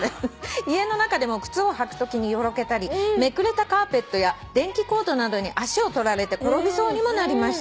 「家の中でも靴を履くときによろけたりめくれたカーペットや電気コードなどに足を取られて転びそうにもなりました」